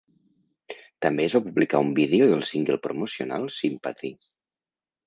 També es va publicar un vídeo del single promocional "Sympathy".